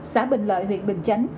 xã bình lợi huyện bình chánh